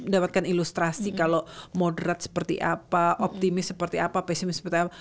mendapatkan ilustrasi kalau moderat seperti apa optimis seperti apa pesimis seperti apa